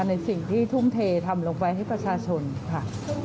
ในสิ่งที่ทุ่มเททำลงไปให้ประชาชนค่ะ